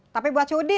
tapi buat cudin